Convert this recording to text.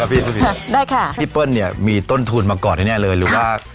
พี่เปิ้ลเนี่ยมีต้นทูลมาก่อนแน่เลยรู้ได้